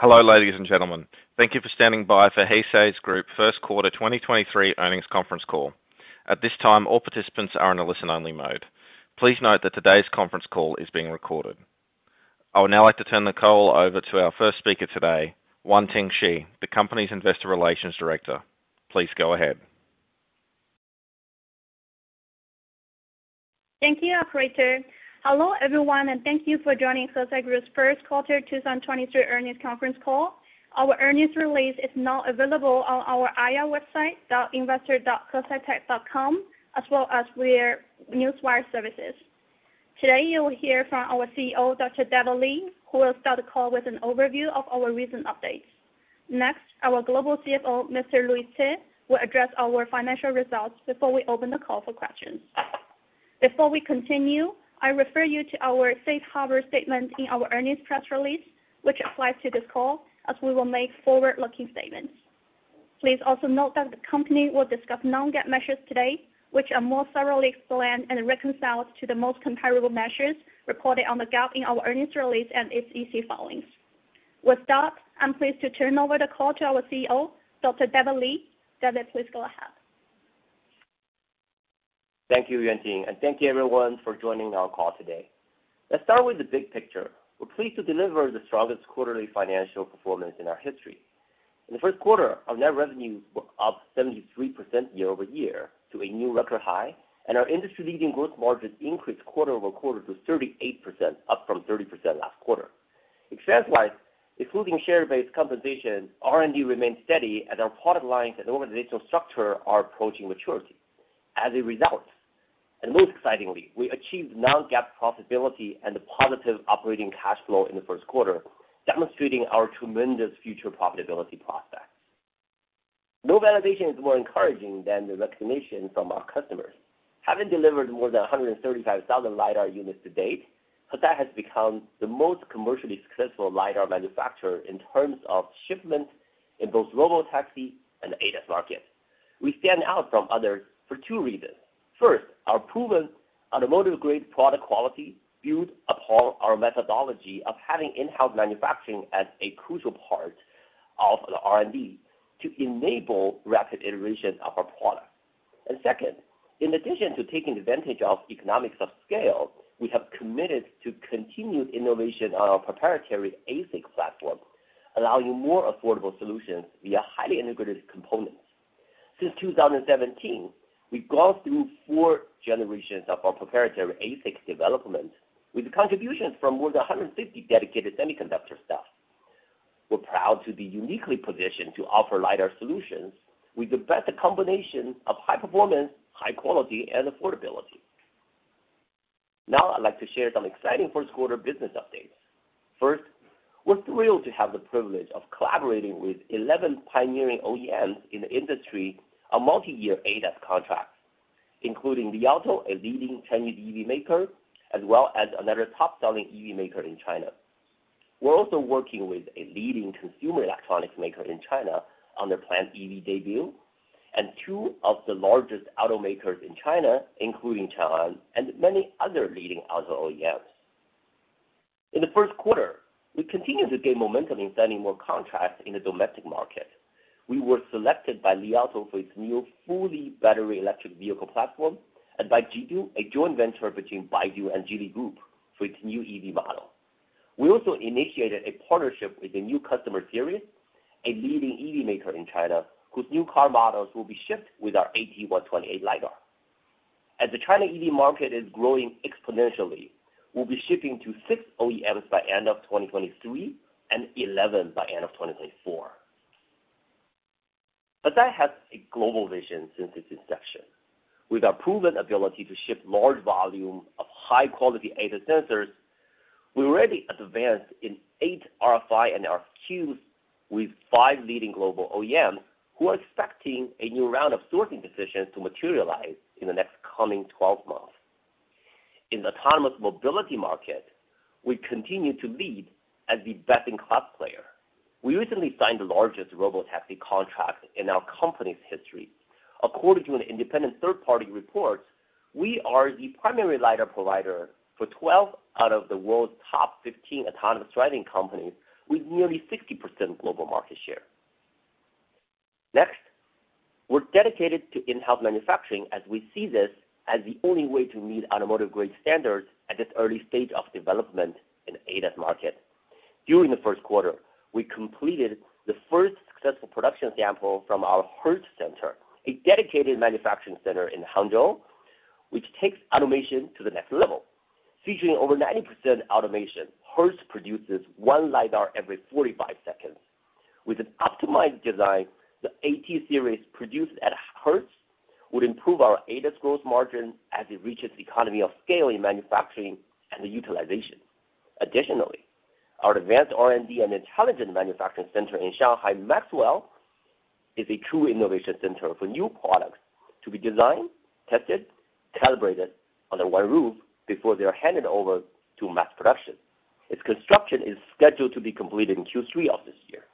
Hello, ladies and gentlemen. Thank you for standing by for Hesai Group first quarter 2023 earnings conference call. At this time, all participants are in a listen-only mode. Please note that today's conference call is being recorded. I would now like to turn the call over to our first speaker today, Yuanting Shi, the company's investor relations Director. Please go ahead. Thank you, operator. Hello, everyone, and thank you for joining Hesai Group's first quarter 2023 earnings conference call. Our earnings release is now available on our IR website, .investor.hesaitech.com, as well as via Newswire services. Today, you'll hear from our CEO, Dr. David Li, who will start the call with an overview of our recent updates. Next, our Global CFO, Mr. Louis Tee, will address our financial results before we open the call for questions. Before we continue, I refer you to our safe harbor statement in our earnings press release, which applies to this call as we will make forward-looking statements. Please also note that the company will discuss non-GAAP measures today, which are more thoroughly explained and reconciled to the most comparable measures recorded on the GAAP in our earnings release and its SEC filings. With that, I'm pleased to turn over the call to our CEO, Dr. David Li. David, please go ahead. Thank you, Yuanting. Thank you everyone for joining our call today. Let's start with the big picture. We're pleased to deliver the strongest quarterly financial performance in our history. In the first quarter, our net revenues were up 73% year-over-year to a new record high, and our industry-leading growth margins increased quarter-over-quarter to 38%, up from 30% last quarter. Expense-wise, excluding share-based compensation, R&D remains steady, and our product lines and organizational structure are approaching maturity. As a result, and most excitingly, we achieved non-GAAP profitability and the positive operating cash flow in the first quarter, demonstrating our tremendous future profitability process. No validation is more encouraging than the recognition from our customers. Having delivered more than 135,000 lidar units to date, Hesai has become the most commercially successful lidar manufacturer in terms of shipment in both robotaxi and ADAS market. We stand out from others for two reasons. First, our proven automotive-grade product quality built upon our methodology of having in-house manufacturing as a crucial part of the R&D to enable rapid iteration of our product. Second, in addition to taking advantage of economics of scale, we have committed to continued innovation on our proprietary ASIC platform, allowing more affordable solutions via highly integrated components. Since 2017, we've gone through four generations of our proprietary ASIC development, with contributions from more than 150 dedicated semiconductor staff. We're proud to be uniquely positioned to offer lidar solutions with the best combination of high performance, high quality, and affordability. Now I'd like to share some exciting first quarter business updates. First, we're thrilled to have the privilege of collaborating with 11 pioneering OEMs in the industry on multi-year ADAS contracts, including Li Auto, a leading Chinese EV maker, as well as another top-selling EV maker in China. We're also working with a leading consumer electronics maker in China on their planned EV debut, and two of the largest automakers in China, including Changan and many other leading auto OEMs. In the first quarter, we continued to gain momentum in signing more contracts in the domestic market. We were selected by Li Auto for its new fully battery electric vehicle platform, and by JIDU, a joint venture between Baidu and Geely Group, for its new EV model. we also initiated a partnership with a new customer, Seres, a leading EV maker in China, whose new car models will be shipped with our AT128 lidar. We already advanced in eight RFIs and RFQs with five leading global OEMs who are expecting a new round of sourcing decisions to materialize in the next coming 12 months. In the autonomous mobility market, we continue to lead as the best-in-class player. We recently signed the largest robotaxi contract in our company's history. According to an independent third-party report, we are the primary lidar provider for 12 out of the world's top 15 autonomous driving companies with nearly 60% global market share. We're dedicated to in-house manufacturing as we see this as the only way to meet automotive-grade standards at this early stage of development in ADAS market. During the first quarter, we completed the first successful production sample from our Hertz, a dedicated manufacturing center in Hangzhou, which takes automation to the next level. Featuring over 90% automation, Hertz produces one lidar every 45 seconds. With an optimized design, the AT Series produced at Hertz would improve our ADAS growth margin as it reaches economy of scale in manufacturing and the utilization. Our advanced R&D and intelligent manufacturing center in Shanghai, Maxwell, is a true innovation center for new products to be designed, tested, calibrated under one roof before they are handed over to mass production. Its construction is scheduled to be completed in Q3 of this year.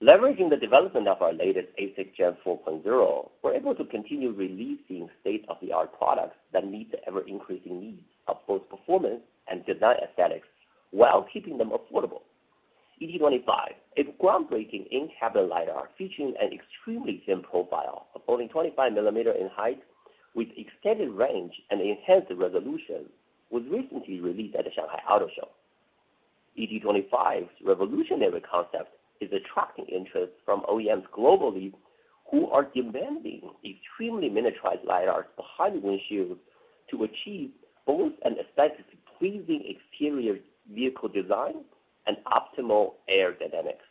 Leveraging the development of our latest ASIC Gen 4.0, we're able to continue releasing state-of-the-art products that meet the ever-increasing needs of both performance and design aesthetics while keeping them affordable. ET25 is groundbreaking in-cabin lidar featuring an extremely slim profile of only 25 mm in height with extended range and enhanced resolution, was recently released at the Shanghai Auto Show. ET25's revolutionary concept is attracting interest from OEMs globally who are demanding extremely miniaturized lidars behind the windshield to achieve both an aesthetically pleasing exterior vehicle design and optimal aerodynamics.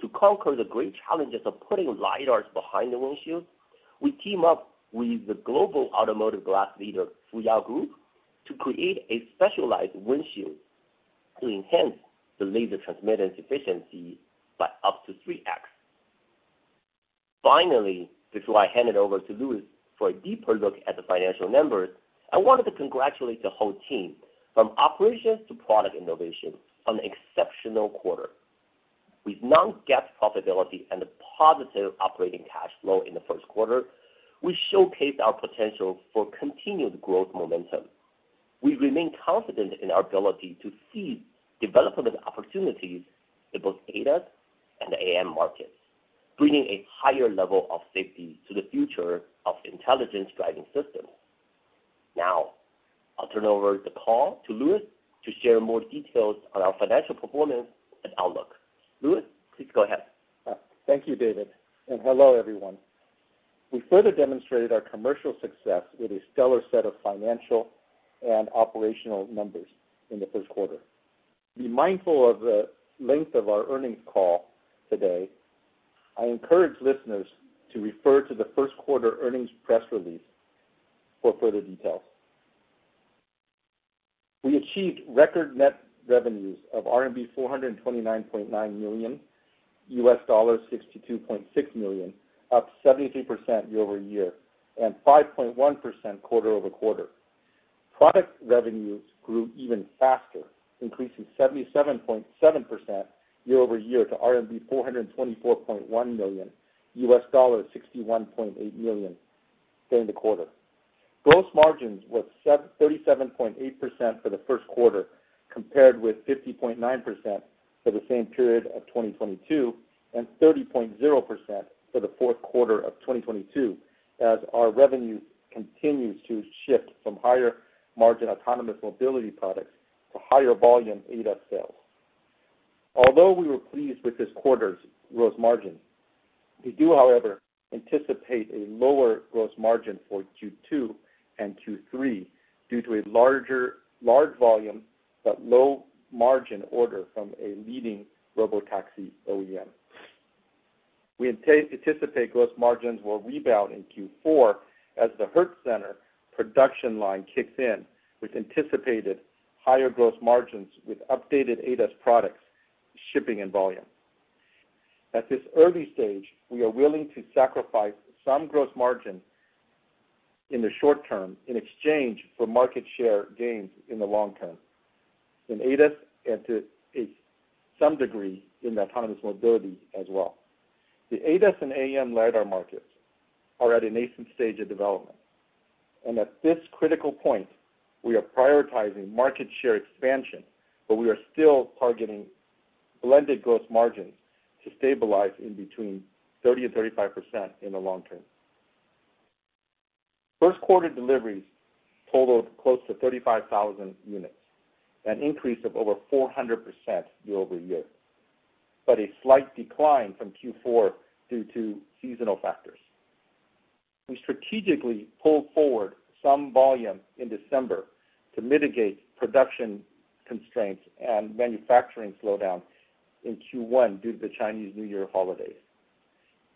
To conquer the great challenges of putting lidars behind the windshield, we team up with the global automotive glass leader, Fuyao Group, to create a specialized windshield to enhance the laser transmittance efficiency by up to 3x. Finally, before I hand it over to Louis for a deeper look at the financial numbers, I wanted to congratulate the whole team from operations to product innovation on exceptional quarter. With non-GAAP profitability and a positive operating cash flow in the first quarter, we showcase our potential for continued growth momentum. We remain confident in our ability to see development opportunities in both ADAS and the AM markets, bringing a higher level of safety to the future of intelligence driving systems. Now, I'll turn over the call to Louis to share more details on our financial performance and outlook. Louis, please go ahead. Thank you, David. Hello, everyone. We further demonstrated our commercial success with a stellar set of financial and operational numbers in the first quarter. Be mindful of the length of our earnings call today. I encourage listeners to refer to the first quarter earnings press release for further details. We achieved record net revenues of RMB 429.9 million, $62.6 million, up 73% year-over-year, 5.1% quarter-over-quarter. Product revenues grew even faster, increasing 77.7% year-over-year to RMB 424.1 million, $61.8 million during the quarter. Gross margins was 37.8% for the first quarter, compared with 50.9% for the same period of 2022, and 30.0% for the fourth quarter of 2022, as our revenue continues to shift from higher margin autonomous mobility products to higher volume ADAS sales. Although we were pleased with this quarter's gross margin, we do, however, anticipate a lower gross margin for Q2 and Q3 due to a large volume but low margin order from a leading robotaxi OEM. We anticipate gross margins will rebound in Q4 as the Hertz Center production line kicks in with anticipated higher gross margins with updated ADAS products shipping in volume. At this early stage, we are willing to sacrifice some gross margin in the short term in exchange for market share gains in the long term in ADAS and to a some degree in autonomous mobility as well. The ADAS and AM lidar markets are at a nascent stage of development. At this critical point, we are prioritizing market share expansion. We are still targeting blended gross margins to stabilize in between 30%-35% in the long term. First quarter deliveries totaled close to 35,000 units, an increase of over 400% year-over-year, but a slight decline from Q4 due to seasonal factors. We strategically pulled forward some volume in December to mitigate production constraints and manufacturing slowdown in Q1 due to the Chinese New Year holidays.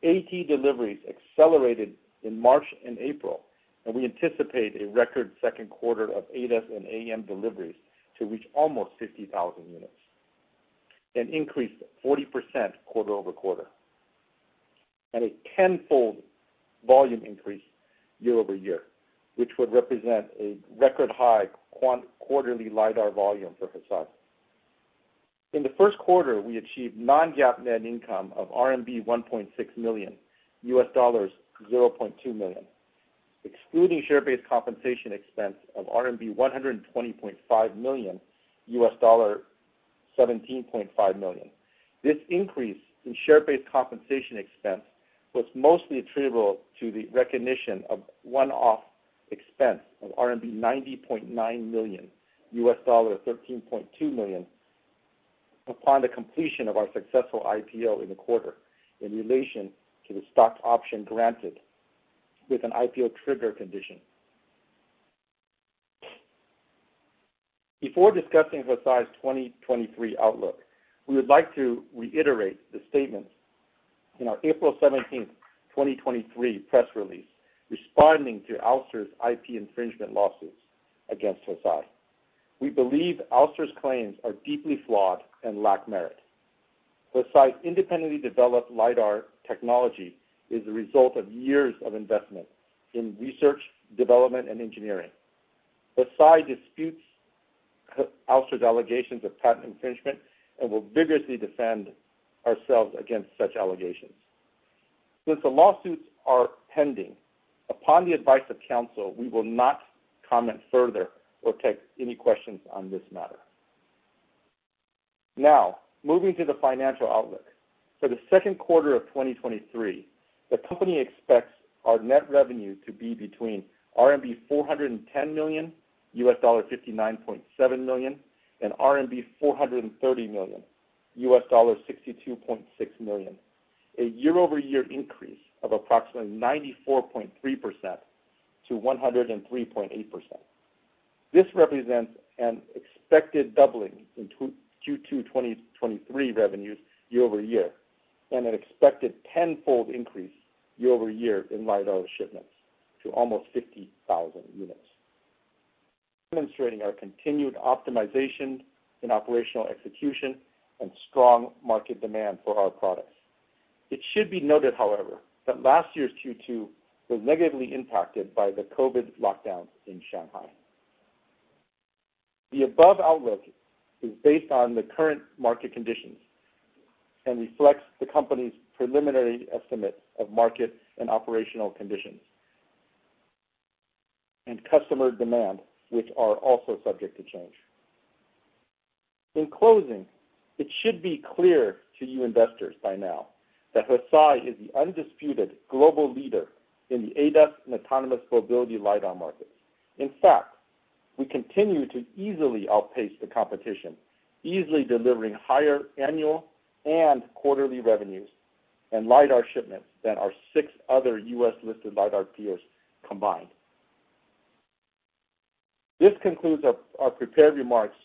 AT deliveries accelerated in March and April, we anticipate a record second quarter of ADAS and AM deliveries to reach almost 50,000 units, an increase of 40% quarter-over-quarter, and a tenfold volume increase year-over-year, which would represent a record high quarterly lidar volume for Hesai. In the first quarter, we achieved non-GAAP net income of RMB 1.6 million, $0.2 million, excluding share-based compensation expense of RMB 120.5 million, $17.5 million. This increase in share-based compensation expense was mostly attributable to the recognition of one-off expense of RMB 90.9 million, $13.2 million, upon the completion of our successful IPO in the quarter in relation to the stock option granted with an IPO trigger condition. Before discussing Hesai's 2023 outlook, we would like to reiterate the statement in our April 17th, 2023 press release responding to Ouster's IP infringement lawsuits against Hesai. We believe Ouster's claims are deeply flawed and lack merit. Hesai's independently developed lidar technology is the result of years of investment in research, development, and engineering. Hesai disputes Ouster's allegations of patent infringement and will vigorously defend ourselves against such allegations. Since the lawsuits are pending, upon the advice of counsel, we will not comment further or take any questions on this matter. Now, moving to the financial outlook. For the second quarter of 2023, the company expects our net revenue to be between RMB 410 million, $59.7 million, and RMB 430 million, $62.6 million, a year-over-year increase of approximately 94.3% to 103.8%. This represents an expected doubling in Q2 2023 revenues year-over-year, and an expected tenfold increase year-over-year in lidar shipments to almost 50,000 units. Demonstrating our continued optimization in operational execution and strong market demand for our products. It should be noted, however, that last year's Q2 was negatively impacted by the COVID lockdowns in Shanghai. The above outlook is based on the current market conditions and reflects the company's preliminary estimate of market and operational conditions and customer demand, which are also subject to change. In closing, it should be clear to you investors by now that Hesai is the undisputed global leader in the ADAS and autonomous mobility lidar markets. In fact, we continue to easily outpace the competition, easily delivering higher annual and quarterly revenues and lidar shipments than our six other US-listed lidar peers combined. This concludes our prepared remarks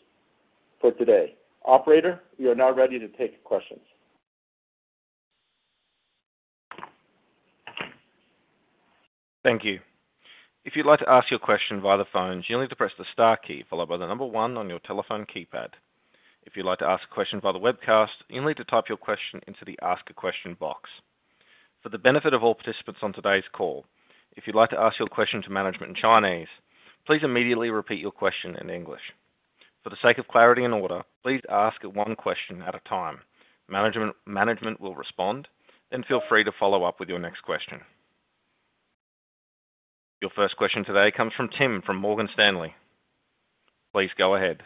for today. Operator, we are now ready to take questions. Thank you. If you'd like to ask your question via the phone, you only need to press the star key followed by the number 1 on your telephone keypad. If you'd like to ask a question via the webcast, you'll need to type your question into the Ask a Question box. For the benefit of all participants on today's call, if you'd like to ask your question to management in Chinese, please immediately repeat your question in English. For the sake of clarity and order, please ask one question at a time. Management will respond, then feel free to follow up with your next question. Your first question today comes from Tim from Morgan Stanley. Please go ahead.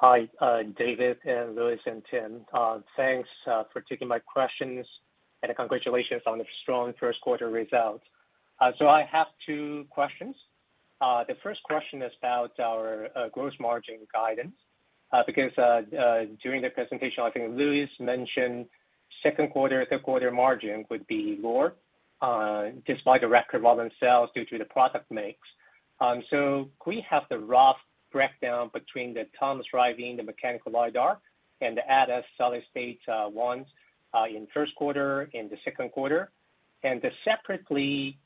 Hi, David and Louis. Thanks for taking my questions, and congratulations on the strong first quarter results. I have two questions. The first question is about our gross margin guidance, because during the presentation, I think Louis mentioned second quarter, third quarter margin would be lower, despite a record volume sales due to the product mix. Could we have the rough breakdown between the autonomous driving, the mechanical lidar, and the ADAS solid state ones in first quarter, in the second quarter? And separately,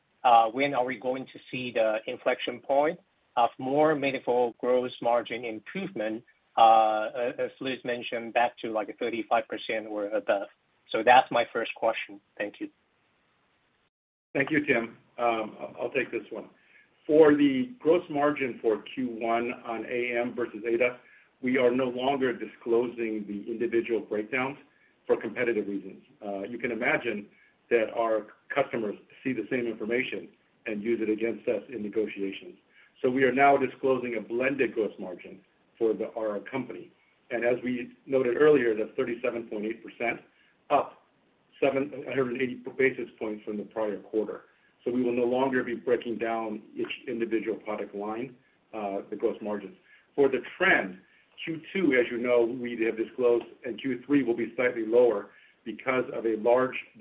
when are we going to see the inflection point of more meaningful gross margin improvement, as Louis mentioned, back to like 35% or above? That's my first question. Thank you. Thank you, Tim. I'll take this one. For the gross margin for Q1 on AM versus ADAS, we are no longer disclosing the individual breakdowns for competitive reasons. You can imagine that our customers see the same information and use it against us in negotiations. We are now disclosing a blended gross margin for our company. As we noted earlier, that's 37.8%, up 180 basis points from the prior quarter. We will no longer be breaking down each individual product line, the gross margins. For the trend, Q2, as you know, we have disclosed, and Q3 will be slightly lower because of the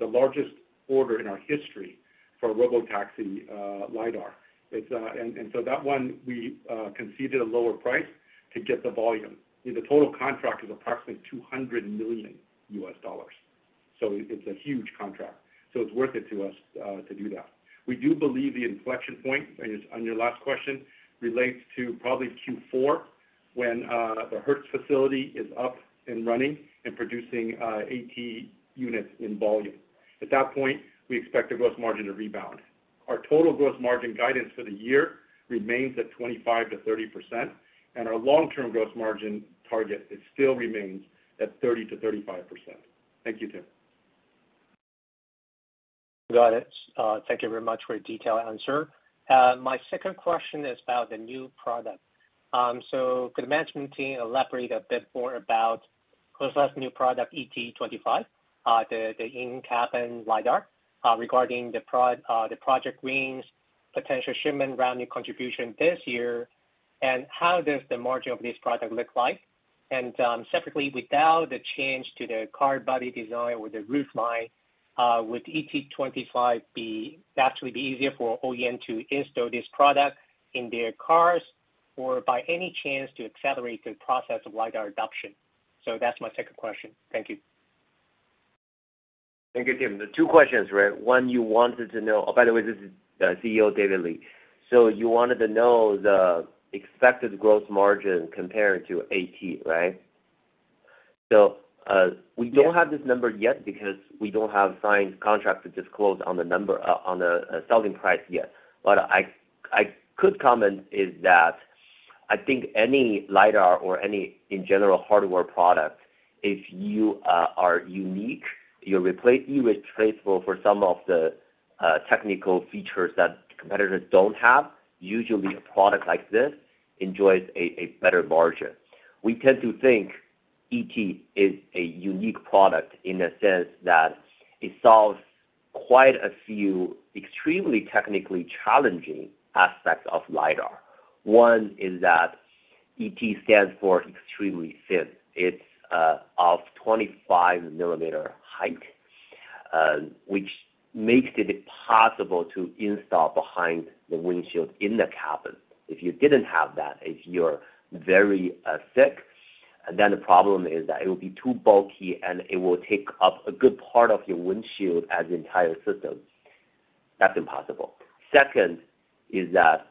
largest order in our history for robotaxi lidar. It's, and so that one, we conceded a lower price to get the volume. The total contract is approximately $200 million. It's a huge contract, it's worth it to us to do that. We do believe the inflection point, is on your last question, relates to probably Q4 when the Hertz facility is up and running and producing AT units in volume. At that point, we expect the gross margin to rebound. Our total gross margin guidance for the year remains at 25%-30%, our long-term gross margin target still remains at 30%-35%. Thank you, Tim. Got it. Thank you very much for a detailed answer. My second question is about the new product. Could the management team elaborate a bit more about Hesai's new product, ET25, the in-cabin LiDAR, regarding the project wins, potential shipment revenue contribution this year, and how does the margin of this product look like? Separately, without the change to the car body design or the roofline, would ET25 be actually be easier for OEM to install this product in their cars or by any chance to accelerate the process of lidar adoption? That's my second question. Thank you. Thank you, Tim. The two questions, right? One, you wanted to know. Oh, by the way, this is CEO David Li. You wanted to know the expected gross margin compared to AT, right? We don't have this number yet because we don't have signed contract to disclose on the number on the selling price yet. I could comment is that I think any lidar or any, in general, hardware product, if you are unique, you irreplaceable for some of the technical features that competitors don't have, usually a product like this enjoys a better margin. We tend to think ET is a unique product in a sense that it solves quite a few extremely technically challenging aspects of lidar. One is that ET stands for extremely thin. It's of 25 millimeter height, which makes it possible to install behind the windshield in the cabin. If you didn't have that, if you're very thick, then the problem is that it will be too bulky, and it will take up a good part of your windshield as entire system. That's impossible. Second is that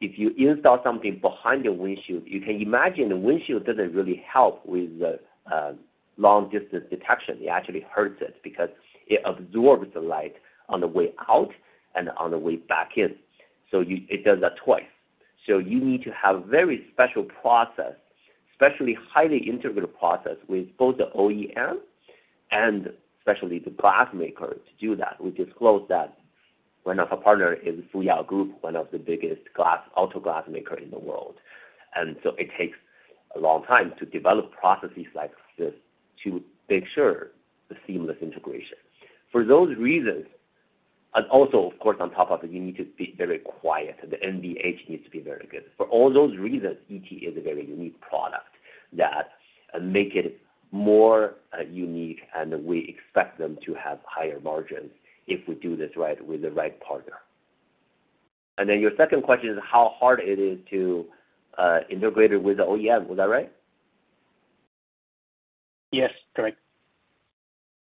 if you install something behind the windshield, you can imagine the windshield doesn't really help with the long-distance detection. It actually hurts it because it absorbs the light on the way out and on the way back in. It does that twice. You need to have very special process, especially highly integrated process with both the OEM and especially the glass maker to do that. We disclosed that one of our partner is Fuyao Group, one of the biggest auto glass maker in the world. It takes a long time to develop processes like this to make sure the seamless integration. For those reasons, and also, of course, on top of it, you need to be very quiet, the NVH needs to be very good. For all those reasons, ET is a very unique product that make it more unique, and we expect them to have higher margins if we do this right with the right partner. Then your second question is how hard it is to integrate it with the OEM. Was that right? Yes, correct.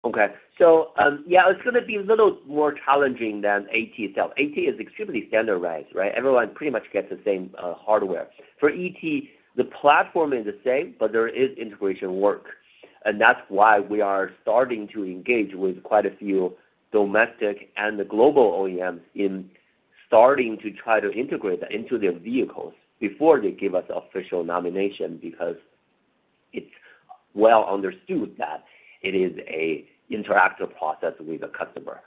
Okay. Yeah, it's gonna be a little more challenging than AT itself. AT is extremely standardized, right? Everyone pretty much gets the same hardware. For ET, the platform is the same, but there is integration work. That's why we are starting to engage with quite a few domestic and the global OEMs in starting to try to integrate that into their vehicles before they give us official nomination, because it's well understood that it is a interactive process with the customer.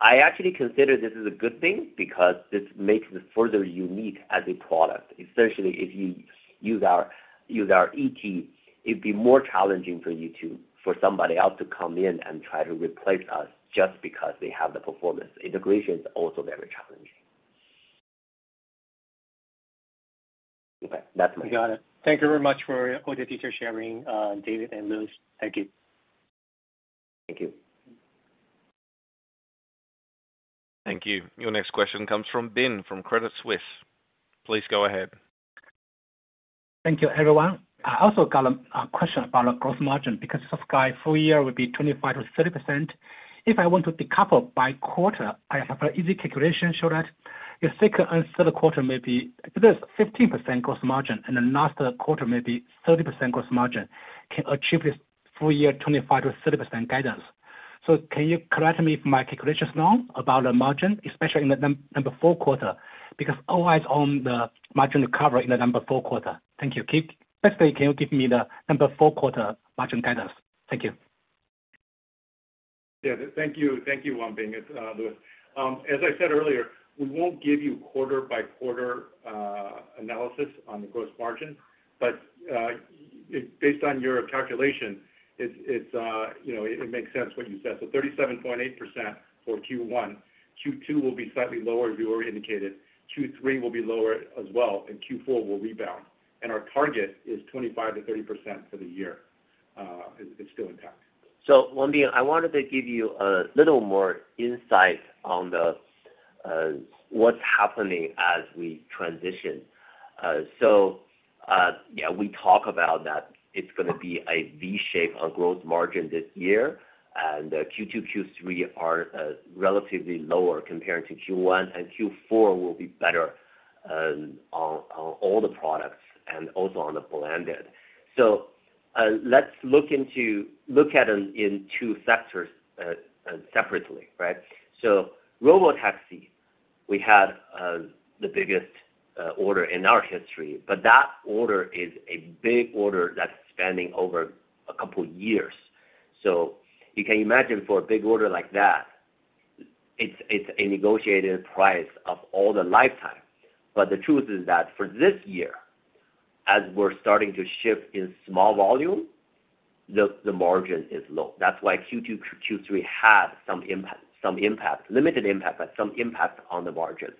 I actually consider this is a good thing because this makes it further unique as a product, especially if you use our ET, it'd be more challenging for somebody else to come in and try to replace us just because they have the performance. Integration is also very challenging. Okay. That's me. Got it. Thank you very much for all the feature sharing, David and Louis. Thank you. Thank you. Thank you. Your next question comes from Bin from Credit Suisse. Please go ahead. Thank you, everyone. I also got a question about our gross margin, because it's a guide full year will be 25%-30%. If I want to decouple by quarter, I have an easy calculation show that the second and third quarter may be... This 15% gross margin in the last quarter may be 30% gross margin can achieve this full year 25%-30% guidance. Can you correct me if my calculation is wrong about the margin, especially in the number four quarter? Always on the margin recover in the number four quarter. Thank you. Firstly, can you give me the number four quarter margin guidance? Thank you. Thank you. Thank you, Bin Wang. It's Louis. As I said earlier, we won't give you quarter by quarter analysis on the gross margin. Based on your calculation, it's, you know, it makes sense what you said. 37.8% for Q1. Q2 will be slightly lower, as we already indicated. Q3 will be lower as well, and Q4 will rebound. Our target is 25%-30% for the year is still intact. Wanbing, I wanted to give you a little more insight on the what's happening as we transition. Yeah, we talk about that it's gonna be a V shape on gross margin this year, and Q2, Q3 are relatively lower compared to Q1, and Q4 will be better on all the products and also on the blended. Let's look at them in two sectors separately, right? Robotaxi, we had the biggest order in our history, but that order is a big order that's spanning over a couple years. You can imagine for a big order like that, it's a negotiated price of all the lifetime. The truth is that for this year, as we're starting to ship in small volume, the margin is low. That's why Q2, Q3 have some impact, limited impact, but some impact on the margin.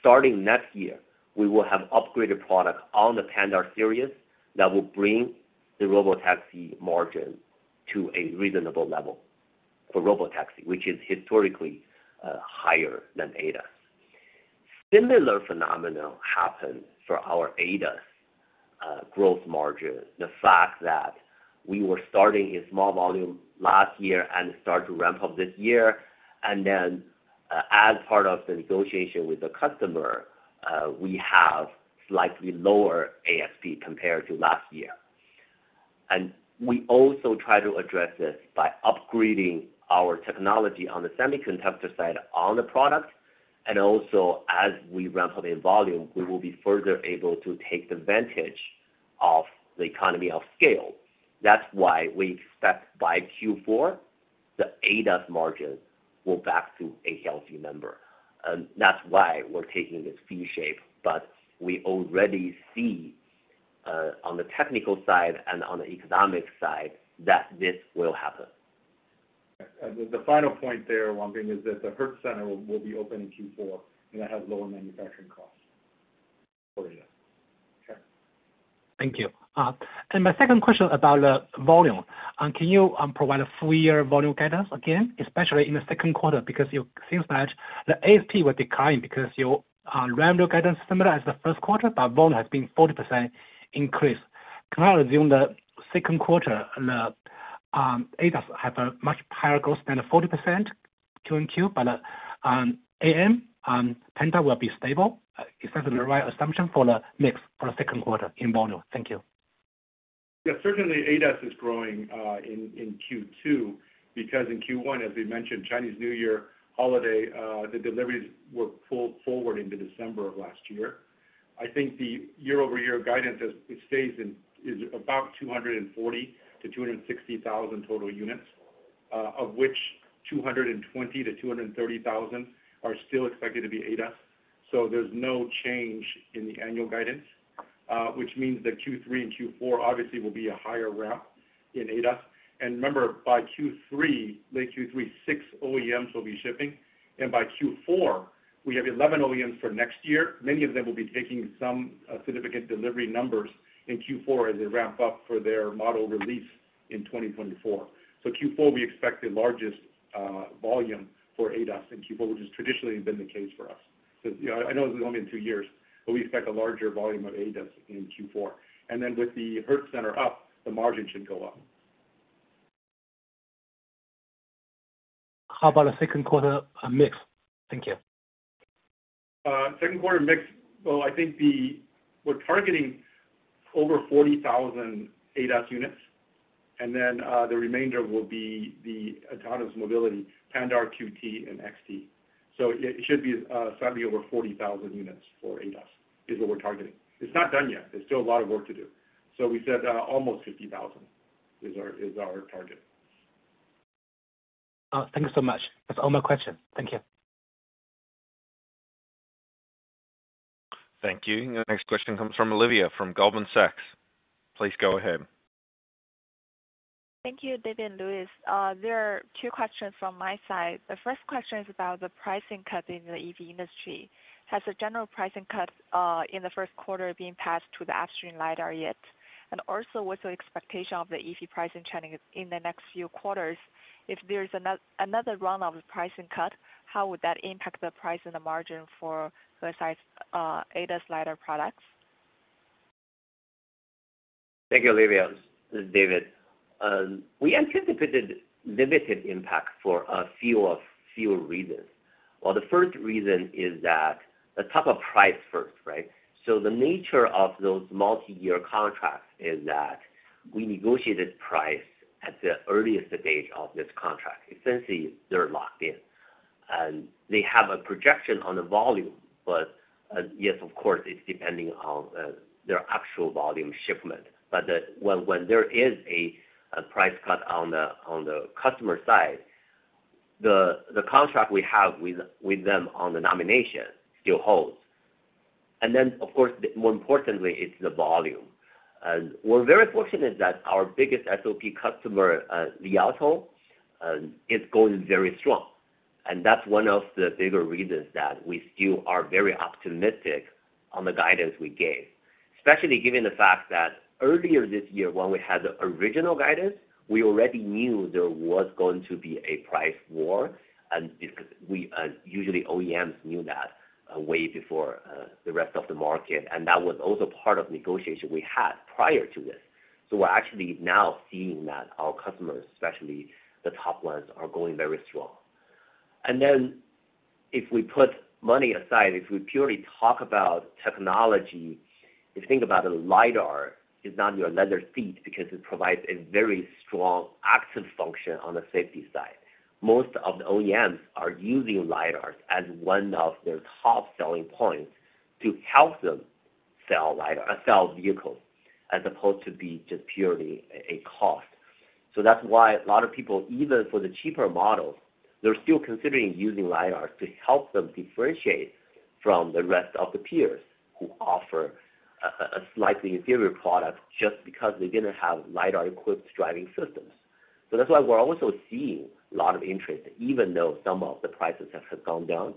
Starting next year, we will have upgraded product on the Pandar Series that will bring the robotaxi margin to a reasonable level for robotaxi, which is historically higher than ADAS. Similar phenomena happen for our ADAS growth margin. The fact that we were starting a small volume last year and start to ramp up this year. As part of the negotiation with the customer, we have slightly lower ASP compared to last year. We also try to address this by upgrading our technology on the semiconductor side on the product. Also as we ramp up in volume, we will be further able to take advantage of the economy of scale. That's why we expect by Q4, the ADAS margin go back to a healthy number. That's why we're taking this V shape. We already see on the technical side and on the economic side that this will happen. The final point there, Bin Wang, is that the Hertz center will be open in Q4, and that has lower manufacturing costs for you. Okay. Thank you. My second question about the volume. Can you provide a full year volume guidance again, especially in the second quarter, because it seems that the ASP will decline because your revenue guidance similar as the first quarter, but volume has been 40% increase. Can I assume that second quarter, the ADAS have a much higher growth than the 40% Q and Q, but AM, Pandar will be stable? Is that the right assumption for the mix for the second quarter in volume? Thank you. Yeah, certainly ADAS is growing in Q2 because in Q1, as we mentioned, Chinese New Year holiday, the deliveries were pulled forward into December of last year. I think the year-over-year guidance is about 240,000-260,000 total units, of which 220,000-230,000 are still expected to be ADAS. There's no change in the annual guidance, which means that Q3 and Q4 obviously will be a higher ramp in ADAS. Remember, by Q3, late Q3, six OEMs will be shipping. By Q4, we have 11 OEMs for next year. Many of them will be taking some significant delivery numbers in Q4 as they ramp up for their model release in 2024. Q4, we expect the largest, volume for ADAS in Q4, which has traditionally been the case for us. You know, I know this is only in two years, but we expect a larger volume of ADAS in Q4. With the Hertz center up, the margin should go up. How about the second quarter mix? Thank you. Second quarter mix. Well, I think we're targeting over 40,000 ADAS units, and then the remainder will be the autonomous mobility, Pandar, QT, and XT. It, it should be slightly over 40,000 units for ADAS, is what we're targeting. It's not done yet. There's still a lot of work to do. We said almost 50,000 is our, is our target. Thank you so much. That's all my question. Thank you. Thank you. Next question comes from Olivia from Goldman Sachs. Please go ahead. Thank you, David and Louis. There are two questions from my side. The first question is about the pricing cut in the EV industry. Has the general pricing cut in the first quarter been passed to the upstream lidar yet? What's the expectation of the EV pricing trending in the next few quarters? If there's another round of pricing cut, how would that impact the price and the margin for Hesai ADAS lidar products? Thank you, Olivia. This is David. We anticipated limited impact for a few reasons. The first reason is that the type of price first, right? The nature of those multi-year contracts is that we negotiate this price at the earliest stage of this contract. Essentially, they're locked in. They have a projection on the volume. Yes, of course, it's depending on their actual volume shipment. But when there is a price cut on the customer side, the contract we have with them on the nomination still holds. Of course, more importantly, it's the volume. We're very fortunate that our biggest SOP customer, Li Auto, is going very strong. That's one of the bigger reasons that we still are very optimistic on the guidance we gave, especially given the fact that earlier this year when we had the original guidance, we already knew there was going to be a price war, and because we usually OEMs knew that way before the rest of the market, and that was also part of negotiation we had prior to this. We're actually now seeing that our customers, especially the top ones, are going very strong. If we put money aside, if we purely talk about technology, if you think about a lidar, it's not your leather seat because it provides a very strong active function on the safety side. Most of the OEMs are using lidars as one of their top selling points to help them sell vehicles as opposed to be just purely a cost. That's why a lot of people, even for the cheaper models, they're still considering using lidars to help them differentiate from the rest of the peers who offer a slightly inferior product just because they didn't have lidar-equipped driving systems. That's why we're also seeing a lot of interest, even though some of the prices have gone down.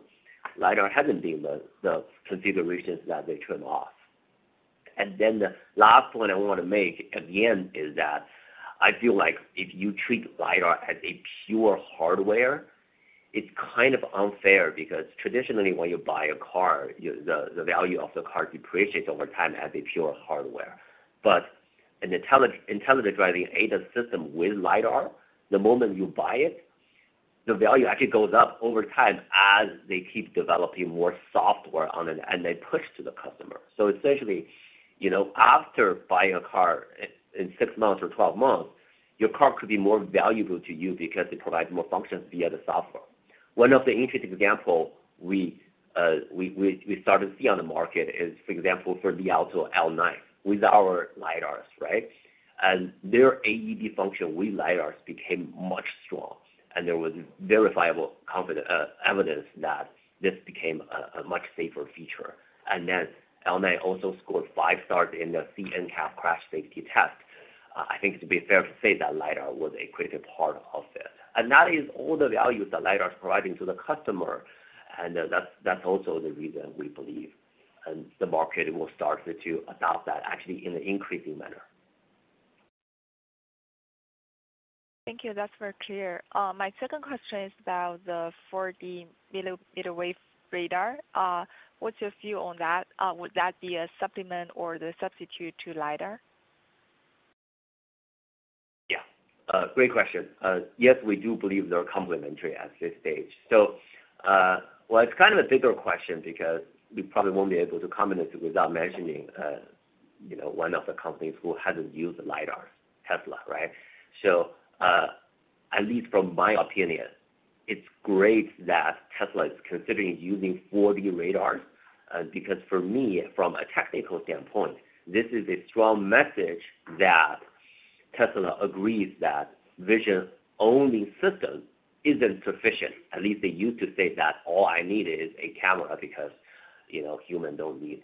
Lidar hasn't been the configuration that they turn off. The last point I want to make at the end is that I feel like if you treat lidar as a pure hardware, it's kind of unfair because traditionally when you buy a car, the value of the car depreciates over time as a pure hardware. An intelligent driving ADAS system with lidar, the moment you buy it, the value actually goes up over time as they keep developing more software on it, and they push to the customer. Essentially, you know, after buying a car, in 6 months or 12 months, your car could be more valuable to you because it provides more functions via the software. One of the interesting example we started to see on the market is, for example, for the Li Auto L9 with our lidars, right? Their AEB function with lidar became much strong, and there was verifiable evidence that this became a much safer feature. L9 also scored 5 stars in the C-NCAP crash safety test. I think it's to be fair to say that lidar was a creative part of it. That is all the value the lidar is providing to the customer. That's also the reason we believe, and the market will start to adopt that actually in an increasing manner. Thank you. That's very clear. My second question is about the 4D millimeter wave radar. What's your view on that? Would that be a supplement or the substitute to lidar? Yeah. Great question. Yes, we do believe they're complementary at this stage. Well, it's kind of a bigger question because we probably won't be able to comment it without mentioning, you know, one of the companies who hasn't used the lidar, Tesla, right? At least from my opinion, it's great that Tesla is considering using 4D radars, because for me, from a technical standpoint, this is a strong message that Tesla agrees that vision-only system isn't sufficient. At least they used to say that all I need is a camera because, you know, human don't need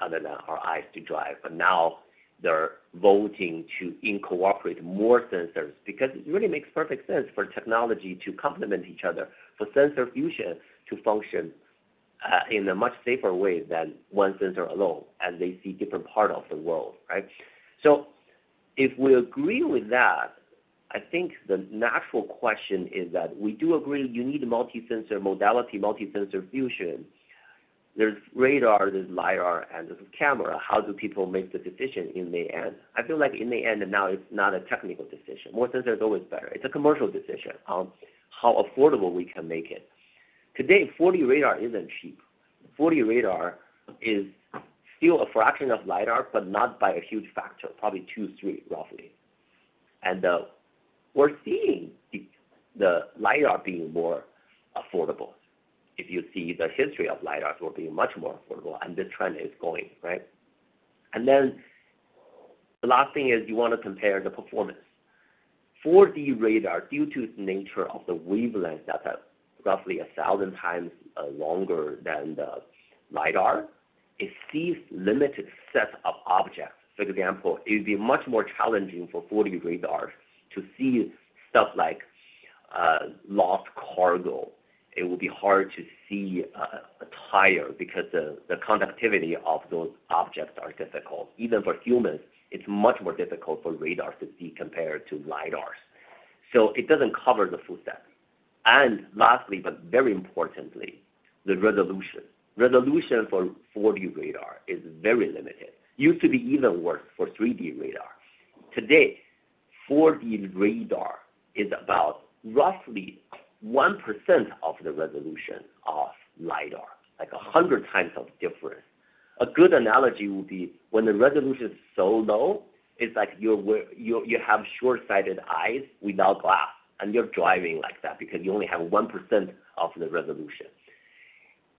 other than our eyes to drive. Now they're voting to incorporate more sensors because it really makes perfect sense for technology to complement each other, for sensor fusion to function in a much safer way than one sensor alone, and they see different part of the world, right? If we agree with that, I think the natural question is that we do agree you need multi-sensor modality, multi-sensor fusion. There's radar, there's lidar, and there's camera. How do people make the decision in the end? I feel like in the end, now it's not a technical decision. More sensor is always better. It's a commercial decision on how affordable we can make it. Today, 4D radar isn't cheap. 4D radar is still a fraction of lidar, but not by a huge factor, probably two, three, roughly. We're seeing the lidar being more affordable. If you see the history of lidars, were being much more affordable, and this trend is going, right? The last thing is you wanna compare the performance. 4D radar, due to its nature of the wavelength that are roughly 1,000 times longer than the lidar, it sees limited set of objects. For example, it would be much more challenging for 4D radars to see stuff like lost cargo. It would be hard to see a tire because the conductivity of those objects are difficult. Even for humans, it's much more difficult for radar to see compared to lidars. It doesn't cover the full set. Lastly, but very importantly, the resolution. Resolution for 4D radar is very limited. Used to be even worse for 3D radar. Today, 4D radar is about roughly 1% of the resolution of lidar, like 100 times of difference. A good analogy would be when the resolution is so low, it's like you have short-sighted eyes without glass, and you're driving like that because you only have 1% of the resolution.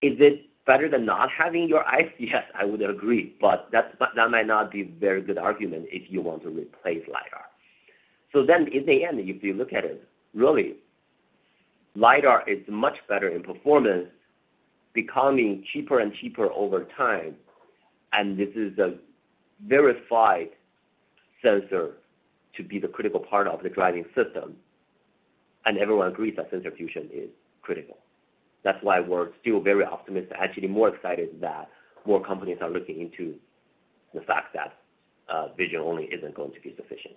Is it better than not having your eyes? Yes, I would agree, but that might not be very good argument if you want to replace lidar. In the end, if you look at it, really, lidar is much better in performance, becoming cheaper and cheaper over time, and this is a verified sensor to be the critical part of the driving system. Everyone agrees that sensor fusion is critical. That's why we're still very optimistic, actually more excited that more companies are looking into the fact that vision only isn't going to be sufficient.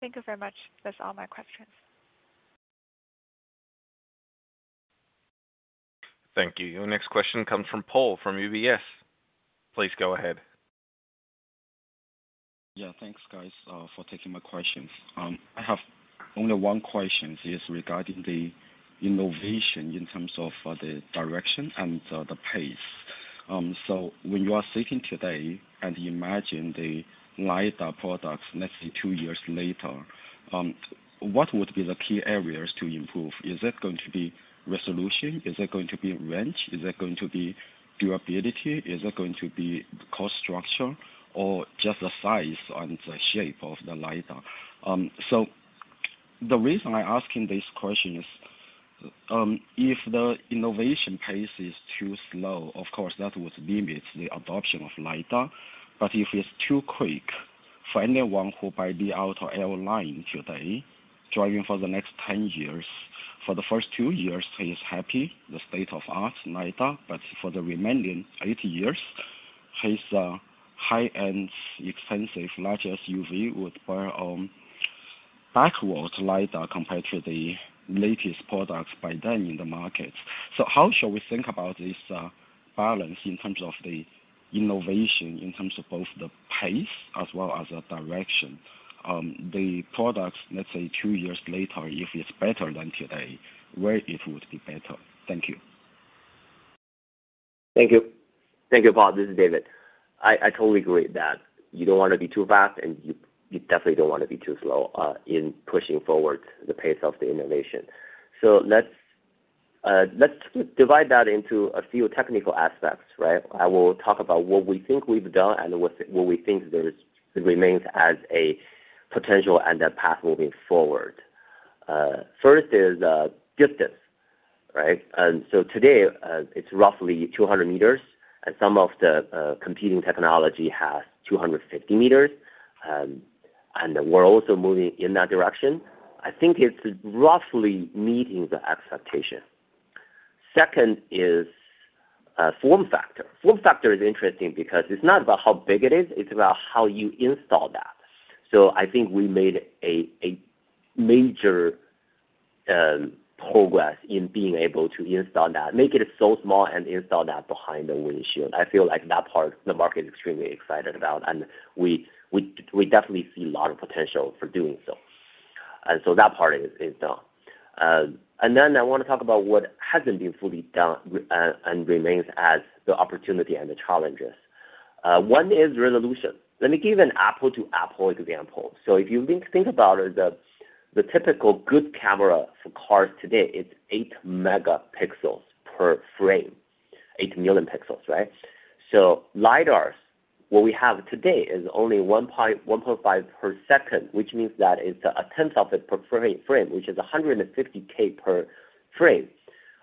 Thank you very much. That's all my questions. Thank you. Your next question comes from Paul, from UBS. Please go ahead. Yeah. Thanks, guys, for taking my questions. I have only 1 question regarding the innovation in terms of the direction and the pace. When you are sitting today and imagine the lidar products, let's say two years later, what would be the key areas to improve? Is that going to be resolution? Is that going to be range? Is that going to be durability? Is that going to be cost structure or just the size and the shape of the lidar? The reason I'm asking this question is, if the innovation pace is too slow, of course, that would limit the adoption of lidar. If it's too quick for anyone who buy the auto airline today, driving for the next 10 years, for the first two years, he is happy, the state of art lidar. For the remaining eight years, his high-end, expensive, large SUV would bear Backwards lidar compared to the latest products by then in the market. How shall we think about this balance in terms of the innovation, in terms of both the pace as well as the direction on the products, let's say two years later, if it's better than today, where it would be better? Thank you. Thank you. Thank you, Paul. This is David. I totally agree that you don't wanna be too fast, and you definitely don't wanna be too slow in pushing forward the pace of the innovation. Let's divide that into a few technical aspects, right? I will talk about what we think we've done and what remains as a potential and a path moving forward. First is distance, right? Today, it's roughly 200 meters, and some of the competing technology has 250 meters. We're also moving in that direction. I think it's roughly meeting the expectation. Second is form factor. Form factor is interesting because it's not about how big it is, it's about how you install that. I think we made a major progress in being able to install that, make it so small and install that behind the windshield. I feel like that part, the market is extremely excited about, and we definitely see a lot of potential for doing so. That part is done. Then I wanna talk about what hasn't been fully done and remains as the opportunity and the challenges. One is resolution. Let me give an apple-to-apple example. If you think about it, the typical good camera for cars today, it's 8 megapixels per frame. 8 million pixels, right? LiDARs, what we have today is only 1.5 per second, which means that it's a tenth of it per frame, which is 150K per frame.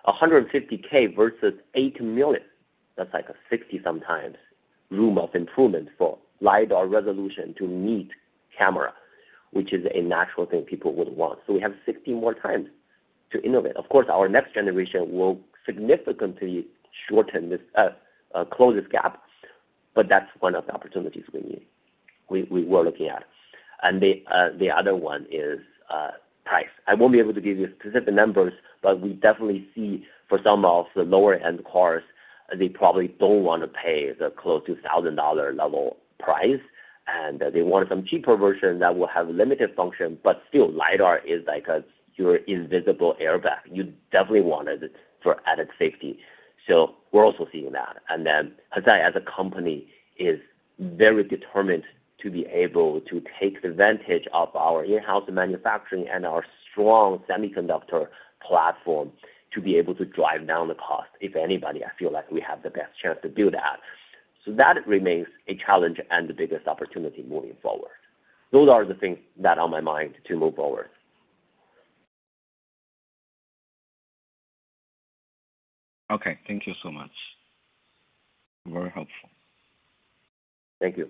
150K versus 8 million. That's like a 60 sometimes room of improvement for lidar resolution to meet camera, which is a natural thing people would want. We have 60 more times to innovate. Of course, our next generation will significantly shorten this, close this gap, That's one of the opportunities we need, we were looking at. The other one is price. I won't be able to give you specific numbers, but we definitely see for some of the lower end cars, they probably don't wanna pay the close to $1,000 level price, They want some cheaper version that will have limited function. Still, lidar is like, your invisible airbag. You definitely want it for added safety. We're also seeing that. Hesai as a company is very determined to be able to take advantage of our in-house manufacturing and our strong semiconductor platform to be able to drive down the cost. If anybody, I feel like we have the best chance to do that. That remains a challenge and the biggest opportunity moving forward. Those are the things that on my mind to move forward. Thank you so much. Very helpful. Thank you.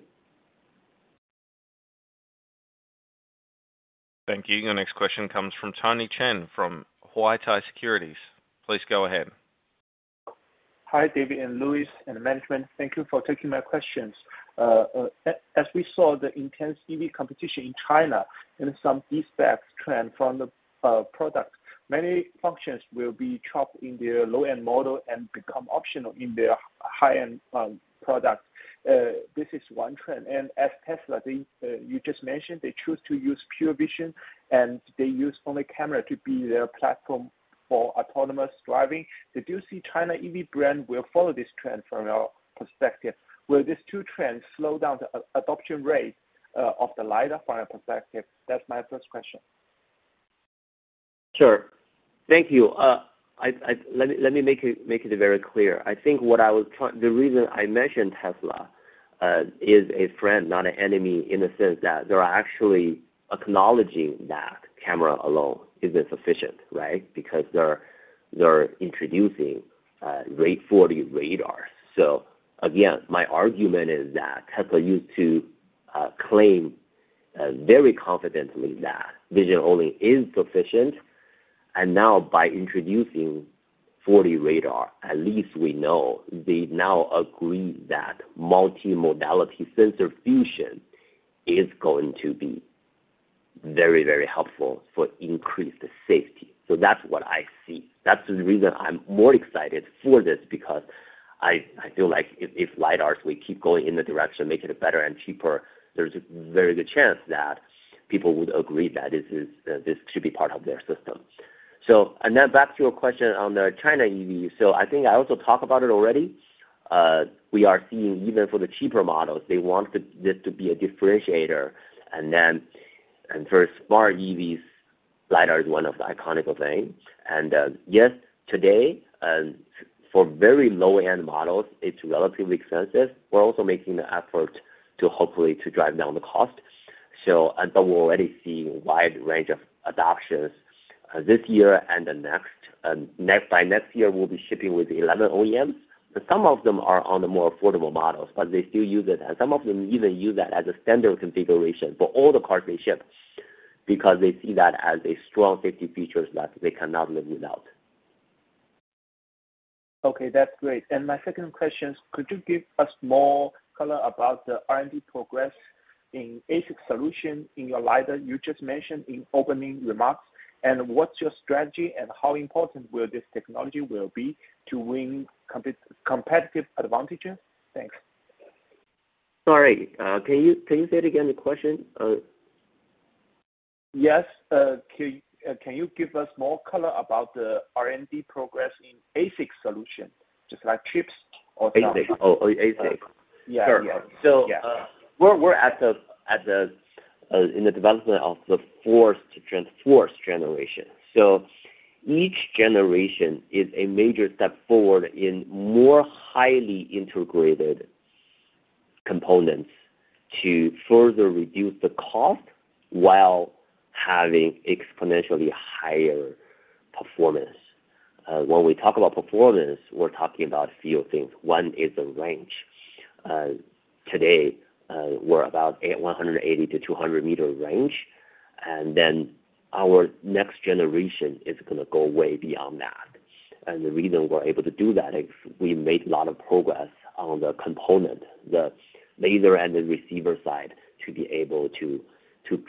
Thank you. Your next question comes from Tony Chen from Huatai Securities. Please go ahead. Hi, David and Louis and management. Thank you for taking my questions. As we saw the intense EV competition in China and some defects trend from the product, many functions will be chopped in the low-end model and become optional in the high-end product. As Tesla, I think, you just mentioned, they choose to use pure vision, and they use only camera to be their platform for autonomous driving. Did you see China EV brand will follow this trend from your perspective? Will these two trends slow down the adoption rate of the lidar from your perspective? That's my first question. Sure. Thank you. Let me make it very clear. The reason I mentioned Tesla is a friend, not an enemy, in the sense that they're actually acknowledging that camera alone isn't sufficient, right? They're introducing 4D radars. Again, my argument is that Tesla used to claim very confidently that vision only is sufficient. Now by introducing 4D radar, at least we know they now agree that multimodality sensor fusion is going to be very, very helpful for increased safety. That's what I see. That's the reason I'm more excited for this, because I feel like if lidars we keep going in the direction, make it better and cheaper, there's a very good chance that people would agree that this is. this should be part of their system. Now back to your question on the China EV. I think I also talked about it already. We are seeing even for the cheaper models, they want this to be a differentiator. For smart EVs, lidar is one of the iconical thing. Yes, today, for very low-end models, it's relatively expensive. We're also making the effort to hopefully to drive down the cost. We're already seeing wide range of adoptions this year and the next. By next year, we'll be shipping with 11 OEMs, but some of them are on the more affordable models, but they still use it. Some of them even use that as a standard configuration for all the cars they ship because they see that as a strong safety features that they cannot live without. Okay, that's great. My second question is, could you give us more color about the R&D progress in ASIC solution in your lidar you just mentioned in opening remarks? What's your strategy and how important will this technology will be to win competitive advantages? Thanks. Sorry, can you say it again, the question? Yes. Can you give us more color about the R&D progress in ASIC solution, just like chips or- ASIC. Oh, ASIC. Yeah. Yeah. Sure. We're at the development of the fourth generation. Each generation is a major step forward in more highly integrated components to further reduce the cost while having exponentially higher performance. When we talk about performance, we're talking about few things. One is the range. Today, we're about a 180-200 meter range, and then our next generation is gonna go way beyond that. The reason we're able to do that is we made a lot of progress on the component, the laser and the receiver side, to be able to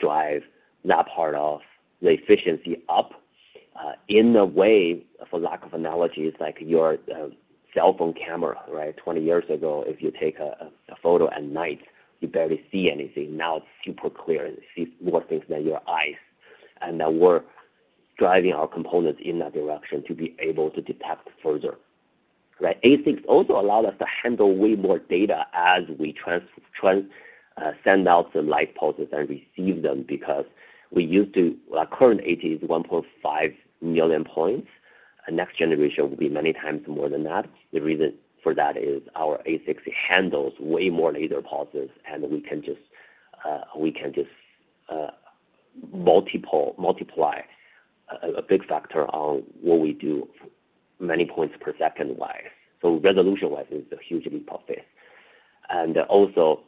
drive that part of the efficiency up in the way, for lack of analogies, like your cell phone camera, right? 20 years ago, if you take a photo at night, you barely see anything. Now it's super clear. You see more things than your eyes. Now we're driving our components in that direction to be able to detect further, right? ASICs also allow us to handle way more data as we send out the light pulses and receive them, because we used to... Our current AT is 1.5 million points. Our next generation will be many times more than that. The reason for that is our ASIC handles way more laser pulses, and we can just multiply a big factor on what we do many points per second-wise. Resolution-wise is a huge leap of faith. Also,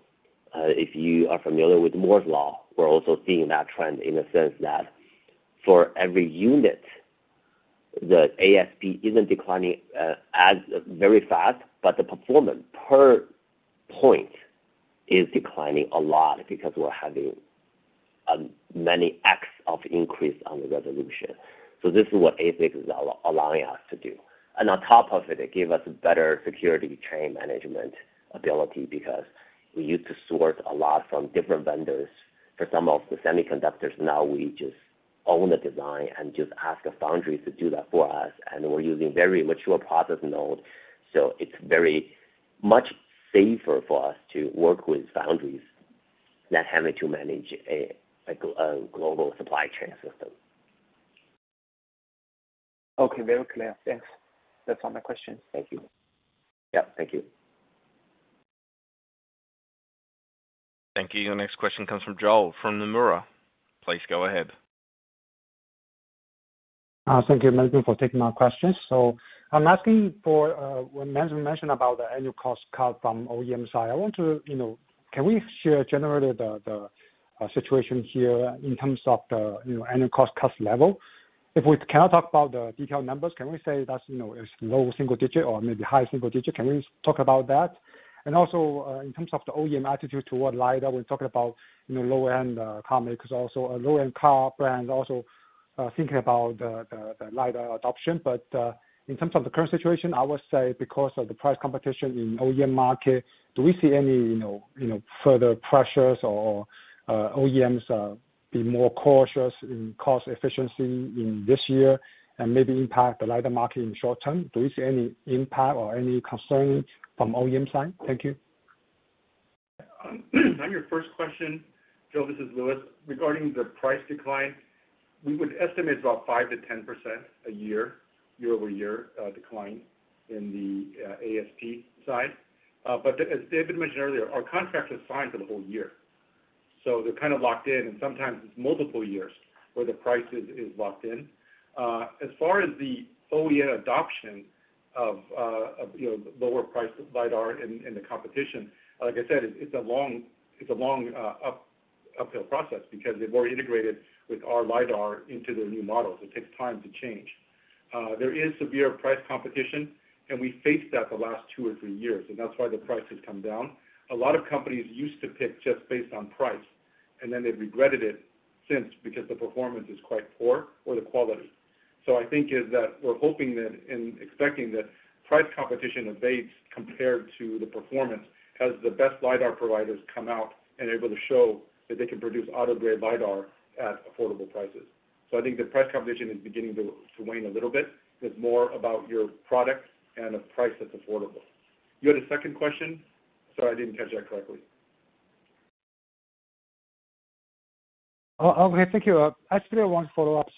if you are familiar with Moore's Law, we're also seeing that trend in a sense that for every unit, the ASP isn't declining as very fast, but the performance per point is declining a lot because we're having many X of increase on the resolution. This is what ASIC is allowing us to do. On top of it gave us better security chain management ability because we used to source a lot from different vendors for some of the semiconductors. Now we just own the design and just ask the foundries to do that for us, and we're using very mature process node, so it's very much safer for us to work with foundries than having to manage a global supply chain system. Okay. Very clear. Thanks. That's all my questions. Thank you. Yeah. Thank you. Thank you. The next question comes from Joel from Nomura. Please go ahead. Thank you, management, for taking my questions. I'm asking for when management mentioned about the annual cost cut from OEM side, I want to, you know, can we share generally the situation here in terms of the, you know, annual cost cut level? If we cannot talk about the detailed numbers, can we say that's, you know, it's low single digit or maybe high single digit? Can we talk about that? In terms of the OEM attitude toward lidar, we're talking about, you know, low-end car makers also, low-end car brands also thinking about the lidar adoption. In terms of the current situation, I would say because of the price competition in OEM market, do we see any, you know, further pressures or OEMs be more cautious in cost efficiency in this year and maybe impact the lidar market in short term? Do you see any impact or any concerns from OEM side? Thank you. On your first question, Joel, this is Louis. Regarding the price decline, we would estimate about 5%-10% a year-over-year, decline in the ASP side. As David mentioned earlier, our contract is signed for the whole year. They're kind of locked in, and sometimes it's multiple years where the price is locked in. As far as the OEM adoption of, you know, lower priced lidar in the competition, like I said, it's a long, uphill process because they've already integrated with our lidar into their new models. It takes time to change. There is severe price competition and we faced that the last two or three years, and that's why the price has come down. A lot of companies used to pick just based on price and then they've regretted it since because the performance is quite poor or the quality. I think is that we're hoping that and expecting that price competition evades compared to the performance as the best lidar providers come out and able to show that they can produce auto-grade lidar at affordable prices. I think the price competition is beginning to wane a little bit. It's more about your product and a price that's affordable. You had a second question? Sorry, I didn't catch that correctly. Oh, okay. Thank you. actually I want to follow up.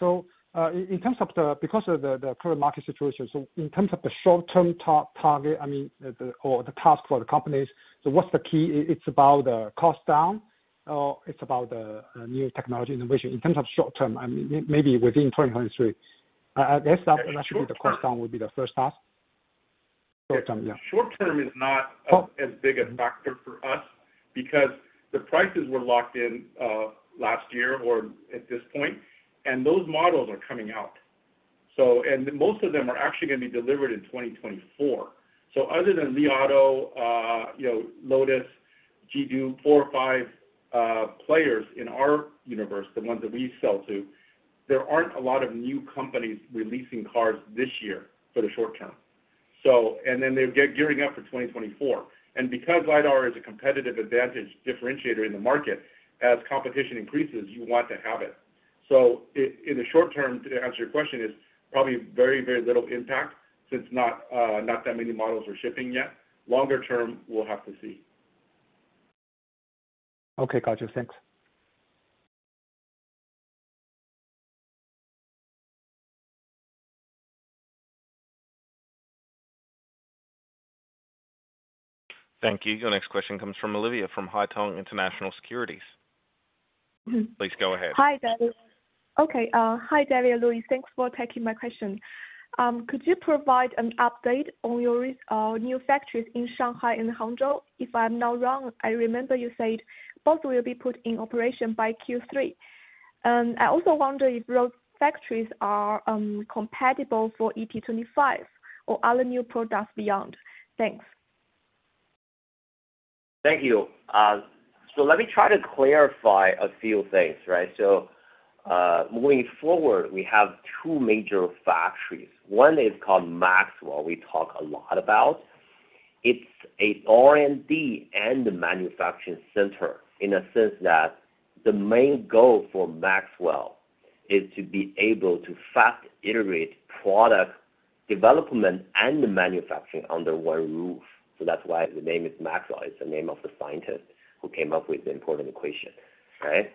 In terms of the because of the current market situation, so in terms of the short-term target, I mean, the, or the task for the companies, so what's the key? It's about the cost down or it's about the new technology innovation? In terms of short term, I mean, within 2023. I guess that should be the cost down would be the first task. Short term is not as big a factor for us because the prices were locked in last year or at this point, and those models are coming out. And most of them are actually going to be delivered in 2024. Other than Li Auto, you know Lotus, JIDU, uncertain in our universe, the ones that we sell to, there aren't a lot of new companies releasing cars this year for the short term. And then they're gearing up for 2024. Because lidar is a competitive advantage differentiator in the market, as competition increases, you want to have it. In the short term, to answer your question, is probably very, very little impact since not that many models are shipping yet. Longer term, we'll have to see. Okay, Carter. Thanks. Thank you. Your next question comes from Olivia from Haitong International Securities. Please go ahead. Hi, David. Okay, hi, David and Louis. Thanks for taking my question. Could you provide an update on your new factories in Shanghai and Hangzhou? If I'm not wrong, I remember you said both will be put in operation by Q3. I also wonder if those factories are compatible for ET25 or other new products beyond. Thanks. Thank you. Let me try to clarify a few things, right? Moving forward, we have two major factories. One is called Maxwell, we talk a lot about. It's a R&D and a manufacturing center in a sense that the main goal for Maxwell is to be able to fast integrate product development and the manufacturing under one roof. That's why the name is Maxwell. It's the name of the scientist who came up with the important equation. Right?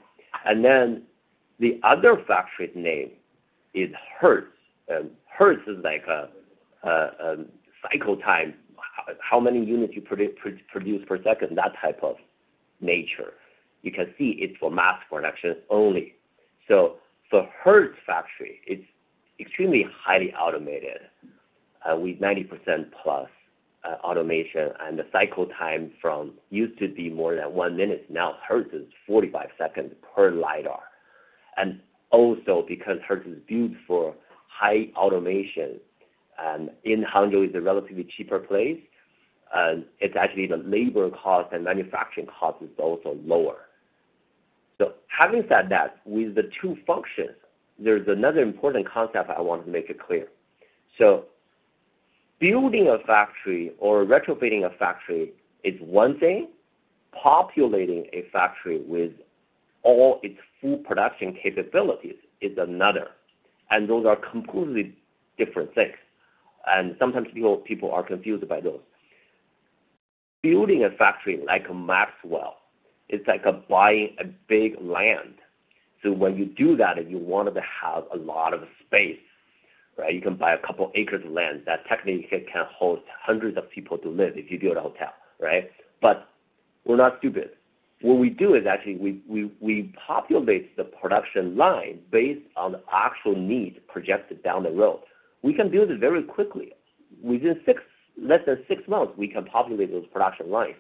The other factory's name is Hertz. Hertz is like cycle time, how many units you produce per second, that type of nature. You can see it's for mass production only. The Hertz factory, it's extremely highly automated, with 90% plus automation, and the cycle time from used to be more than 1 minute, now Hertz is 45 seconds per lidar. Also because Hertz is built for high automation, and in Hangzhou is a relatively cheaper place, it's actually the labor cost and manufacturing cost is also lower. Having said that, with the two functions, there's another important concept I want to make it clear. Building a factory or retrofitting a factory is one thing, populating a factory with all its full production capabilities is another. Those are completely different things. Sometimes people are confused by those. Building a factory like Maxwell, it's like buying a big land. When you do that, and you wanted to have a lot of space, right? You can buy a couple acres of land that technically can host hundreds of people to live if you build a hotel, right? We're not stupid. What we do is actually we populate the production line based on actual needs projected down the road. We can build it very quickly. Within less than six months, we can populate those production lines.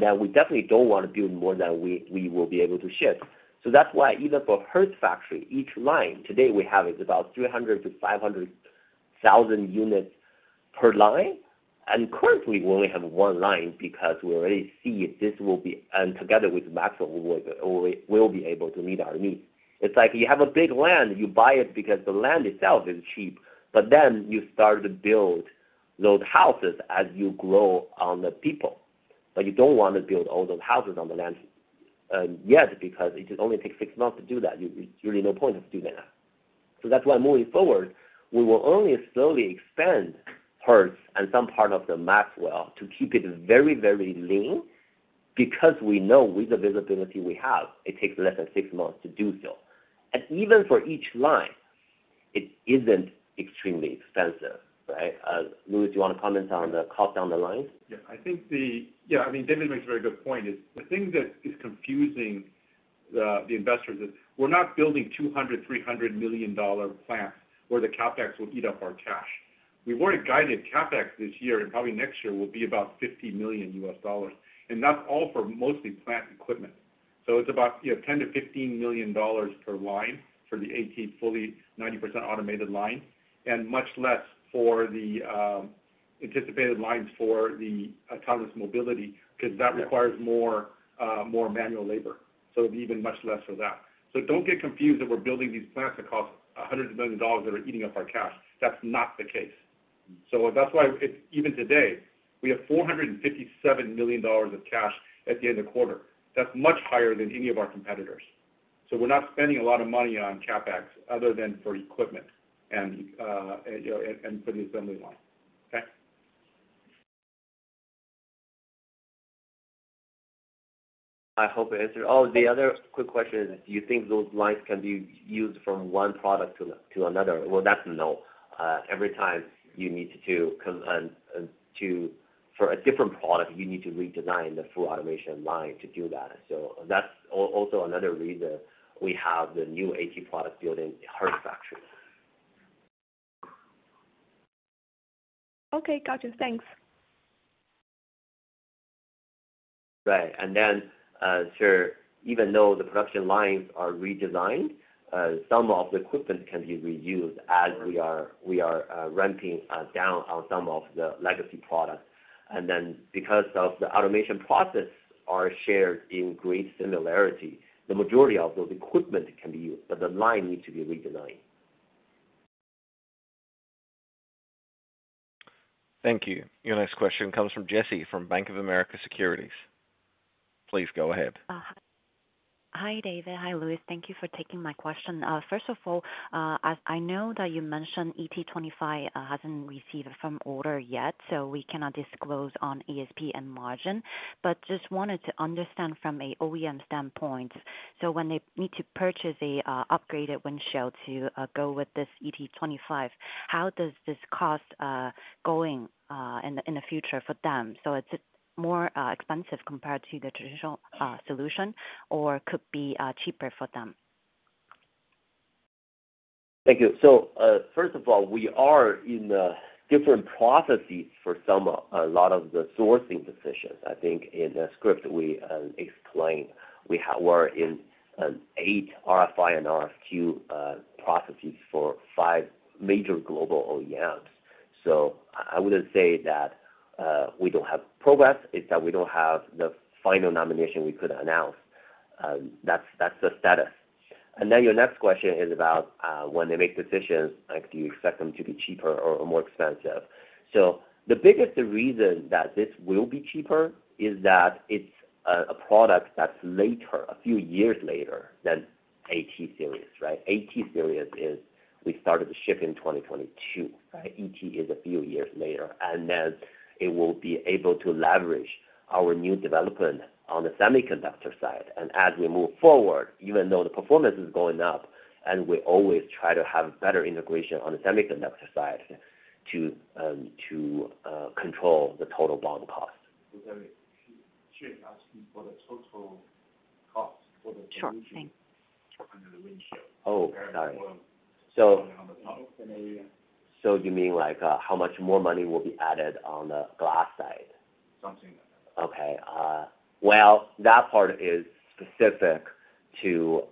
Then we definitely don't want to build more than we will be able to ship. That's why even for Hertz factory, each line today we have is about 300,000-500,000 units per line. Currently, we only have one line because we already see this will be and together with Maxwell, we will be able to meet our needs. It's like you have a big land, you buy it because the land itself is cheap, then you start to build those houses as you grow on the people. You don't want to build all those houses on the land yet because it only takes six months to do that. There's really no point of doing that. That's why moving forward, we will only slowly expand Hertz and some part of the Maxwell to keep it very, very lean because we know with the visibility we have, it takes less than six months to do so. Even for each line, it isn't extremely expensive, right? Louis, do you want to comment on the cost down the line? Yeah. I think, Yeah, I mean, David makes a very good point. The thing that is confusing the investors is we're not building $200 million-$300 million plants where the CapEx will eat up our cash. We've already guided CapEx this year, and probably next year will be about $50 million, and that's all for mostly plant equipment. It's about, you know, $10 million-$15 million per line for the AT fully 90% automated line, and much less for the anticipated lines for the autonomous mobility because that requires more manual labor. It'll be even much less for that. Don't get confused that we're building these plants that cost hundreds of million dollars that are eating up our cash. That's not the case. That's why even today, we have $457 million of cash at the end of quarter. That's much higher than any of our competitors. We're not spending a lot of money on CapEx other than for equipment and, you know, and for the assembly line. Okay? I hope I answered. Oh, the other quick question is, do you think those lines can be used from one product to another? Well, that's a no. Every time you need to For a different product, you need to redesign the full automation line to do that. That's also another reason we have the new AT product built in Hertz factory. Okay. Got you. Thanks. Right. Even though the production lines are redesigned, some of the equipment can be reused as we are ramping down on some of the legacy products. Because of the automation process are shared in great similarity, the majority of those equipment can be used, but the line needs to be redesigned. Thank you. Your next question comes from Jessie, from Bank of America Securities. Please go ahead. Hi, David. Hi, Louis. Thank you for taking my question. First of all, as I know that you mentioned ET25 hasn't received a firm order yet, we cannot disclose on ASP and margin, but just wanted to understand from an OEM standpoint. When they need to purchase an upgraded windshield to go with this ET25, how does this cost going in the future for them? Is it more expensive compared to the traditional solution or could be cheaper for them? Thank you. First of all, we are in different processes for a lot of the sourcing decisions. I think in the script we explain, we're in eight RFI and RFQ processes for five major global OEMs. I wouldn't say that we don't have progress, it's that we don't have the final nomination we could announce. That's the status. Your next question is about when they make decisions, like, do you expect them to be cheaper or more expensive? The biggest reason that this will be cheaper is that it's a product that's later, a few years later than AT Series, right? AT Series is we started to ship in 2022, right? ET is a few years later, then it will be able to leverage our new development on the semiconductor side. As we move forward, even though the performance is going up and we always try to have better integration on the semiconductor side to control the total bond cost. David, she's asking for the total cost for the- Sure. Thanks. Under the windshield. Oh, got it. On the top. You mean like, how much more money will be added on the glass side? Something like that. Okay. well, that part is specific to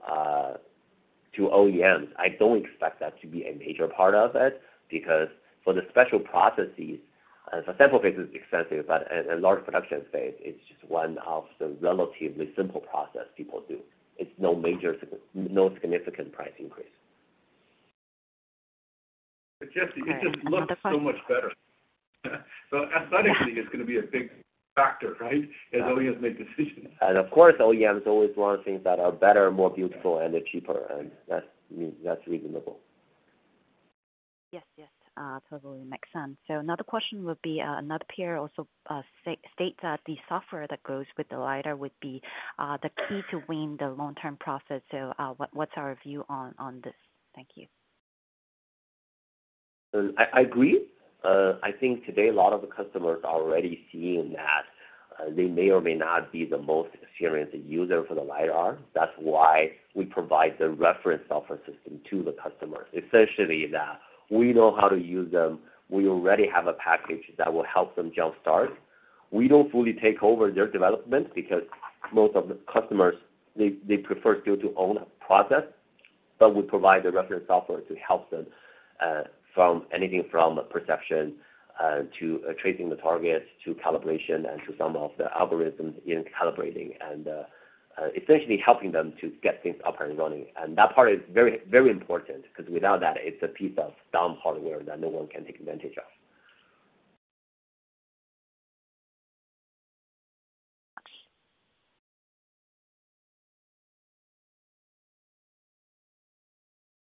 OEMs. I don't expect that to be a major part of it because for the special processes, as a sample phase is expensive, but at a large production phase, it's just one of the relatively simple process people do. It's no significant price increase. Jesse, it just looks so much better. Aesthetically, it's going to be a big factor, right? As OEMs make decisions. of course, OEMs always want things that are better, more beautiful and they're cheaper, and that's reasonable. Yes. Yes. Totally makes sense. Another question would be, another peer also states that the software that goes with the lidar would be the key to win the long-term process. What's our view on this? Thank you. I agree. I think today a lot of the customers are already seeing that they may or may not be the most experienced user for the lidar. That's why we provide the reference software system to the customer. Essentially that we know how to use them. We already have a package that will help them jump-start. We don't fully take over their development because most of the customers, they prefer still to own a process, but we provide the reference software to help them from anything from perception, to tracing the targets, to calibration and to some of the algorithms in calibrating and, essentially helping them to get things up and running. That part is very important because without that, it's a piece of dumb hardware that no one can take advantage of. Gotcha.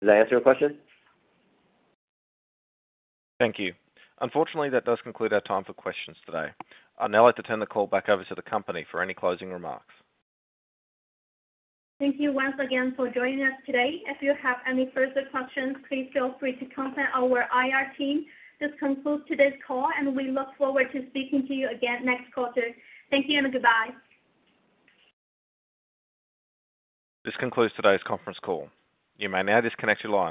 Does that answer your question? Thank you. Unfortunately, that does conclude our time for questions today. I'd now like to turn the call back over to the company for any closing remarks. Thank you once again for joining us today. If you have any further questions, please feel free to contact our IR team. This concludes today's call, and we look forward to speaking to you again next quarter. Thank you and goodbye. This concludes today's conference call. You may now disconnect your lines.